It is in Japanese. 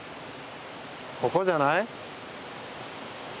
ここじゃない？